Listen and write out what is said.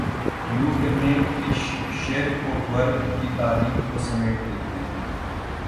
یوں کہیے کہ شرق و غرب کی تاریخ کو سمیٹ دیتے ہیں۔